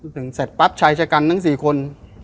ถึงเสร็จปั๊บชายชะกันทั้ง๔คน